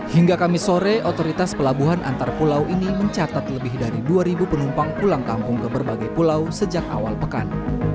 hingga kamis sore otoritas pelabuhan antar pulau ini mencatat lebih dari dua penumpang pulang kampung ke berbagai pulau sejak awal pekan